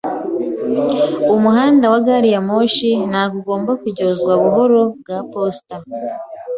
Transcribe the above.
Umuhanda wa gari ya moshi ntabwo ugomba kuryozwa buhoro bwa posita.